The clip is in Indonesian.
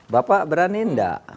bapak berani tidak